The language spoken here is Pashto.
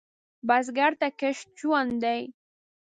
بزګر ته کښت ژوند دی